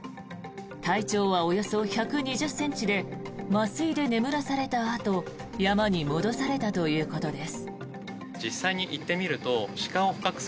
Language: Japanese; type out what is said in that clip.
体長はおよそ１２０ｃｍで麻酔で眠らされたあと山に戻されたということです。